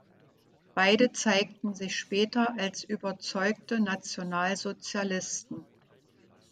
Beide zeigten sich später als überzeugte Nationalsozialisten.